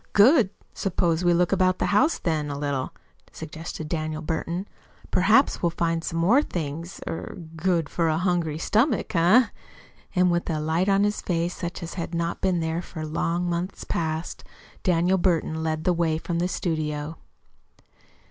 "Good! Suppose we look about the house, then, a little," suggested Daniel Burton. "Perhaps we'll find some more things er good for a hungry stomach, eh?" And with a light on his face such as had not been there for long months past, Daniel Burton led the way from the studio.